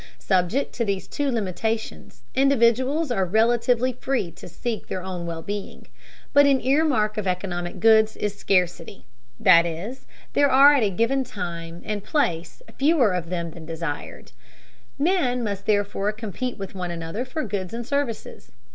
Subject to these two limitations, individuals are relatively free to seek their own well being. But an earmark of economic goods is scarcity, that is, there are at a given time and place fewer of them than are desired. Men must therefore compete with one another for goods and services.